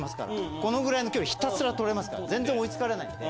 このぐらいの距離取れますから全然追い付かれないんで。